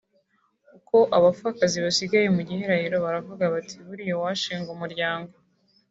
uko abapfakazi basigaye mu gihirahiro baravuga bati ‘buriya uwashinga umuryango